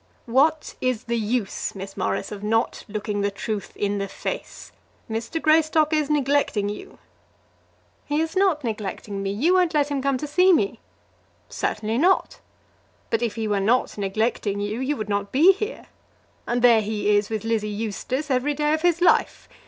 "What is the use, Miss Morris, of not looking the truth in the face? Mr. Greystock is neglecting you." "He is not neglecting me. You won't let him come to see me." "Certainly not; but if he were not neglecting you, you would not be here. And there he is with Lizzie Eustace every day of his life.